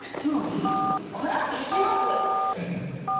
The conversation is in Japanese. これは消します！